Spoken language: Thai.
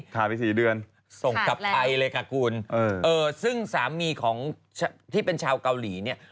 ขาดไป๔เดือนขาดแล้วส่งกับไอเลยกับคุณเออซึ่งสามีของที่เป็นชาวเกาหลีเนี่ย